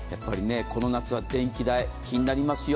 この夏は電気代気になりますよ。